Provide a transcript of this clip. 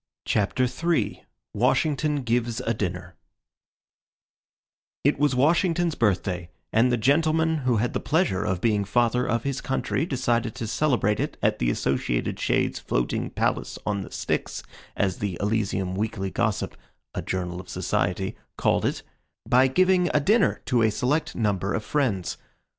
CHAPTER III: WASHINGTON GIVES A DINNER It was Washington's Birthday, and the gentleman who had the pleasure of being Father of his Country decided to celebrate it at the Associated Shades' floating palace on the Styx, as the Elysium Weekly Gossip, "a Journal of Society," called it, by giving a dinner to a select number of friends.